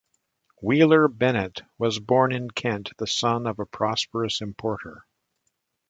Wheeler-Bennett was born in Kent, the son of a prosperous importer.